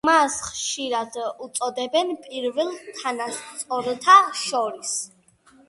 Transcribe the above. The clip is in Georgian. მას ხშირად უწოდებდნენ „პირველს თანასწორთა შორის“.